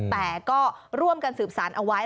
แต่ก็ร่วมกันสืบสารเอาไว้